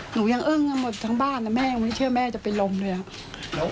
หนูยังอึ้งกันหมดทั้งบ้านนะแม่ยังไม่เชื่อแม่จะเป็นลมเลยครับ